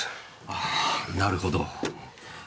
あーなるほど。